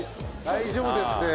大丈夫ですね。